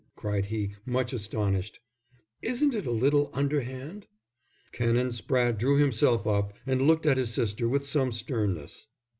cried he, much astonished. "Isn't it a little underhand?" Canon Spratte drew himself up and looked at his sister with some sternness.